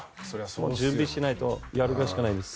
準備してやるしかないです。